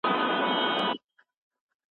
په مهارت او تکنالوژۍ کي ستر بدلونونه راغلل.